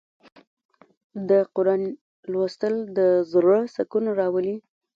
د قرآن لوستل د زړه سکون راولي.